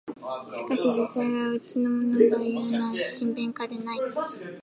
しかし実際はうちのものがいうような勤勉家ではない